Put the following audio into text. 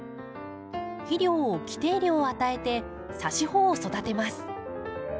肥料を規定量与えてさし穂を育てます。